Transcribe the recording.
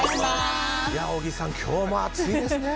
小木さん、今日も暑いですね。